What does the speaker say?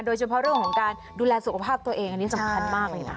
โดยเฉพาะเรื่องของการดูแลสุขภาพตัวเองอันนี้สำคัญมากเลยนะ